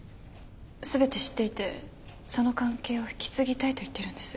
全て知っていてその関係を引き継ぎたいと言っているんです。